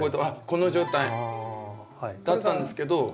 あっこの状態だったんですけど。